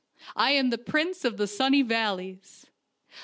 I am the Prince of the Sunny Valleys."